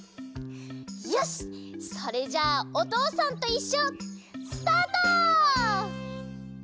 よしそれじゃあ「おとうさんといっしょ」スタート！